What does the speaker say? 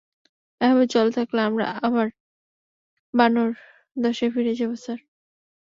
এভাবে চলতে থাকলে, আমরা আবার বানর দশায় ফিরে যাবো, স্যার।